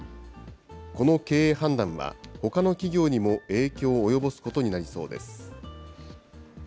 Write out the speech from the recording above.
この経営判断は、ほかの企業にも影響を及ぼすことになりそうです。